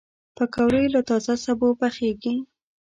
پکورې له تازه سبو پخېږي